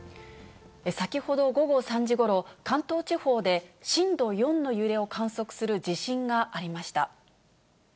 先ほど午後３時ごろ、関東地方で震度４の揺れを観測する地震がありました。